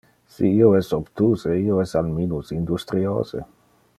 Si io es obtuse, io es al minus industriose.